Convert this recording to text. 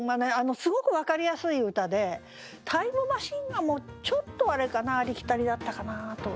すごく分かりやすい歌で「タイムマシン」がちょっとあれかなありきたりだったかなと。